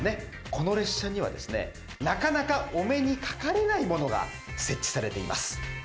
この列車にはですねなかなかお目にかかれないものが設置されています。